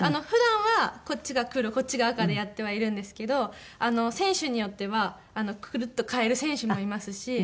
普段はこっちが黒こっちが赤でやってはいるんですけど選手によってはクルッと変える選手もいますし。